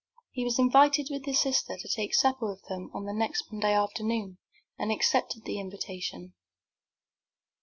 He was invited with his sister to take supper with them on the next Monday afternoon, and accepted the invitation.